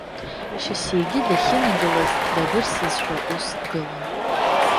Шьасиагьы дахьынагылаз дадырсызшәа, ус дгылан.